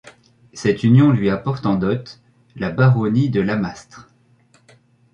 Cette union lui apporte en dot la baronnie de Lamastre.